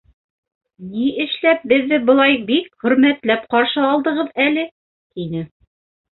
Ни эшләп беҙҙе былай бик хөрмәтләп ҡаршы алдығыҙ әле? — тине.